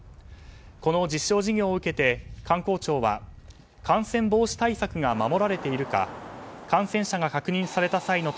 この実証事業を受けて観光庁は感染防止対策が守られているか感染者が確認された際の